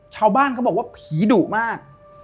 ชาวบ้านก็บอกว่าพี่ดุมาก